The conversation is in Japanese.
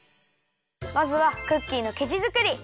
まずはクッキーのきじづくり！